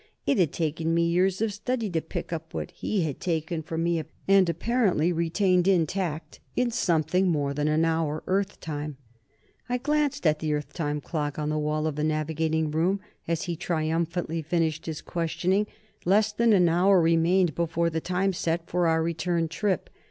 It had taken me years of study to pick up what he had taken from me, and apparently retained intact, in something more than an hour, Earth time. I glanced at the Earth time clock on the wall of the navigating room as he triumphantly finished his questioning. Less than an hour remained before the time set for our return trip.